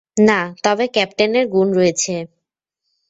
না, তবে ক্যাপ্টেনের গুণ রয়েছে।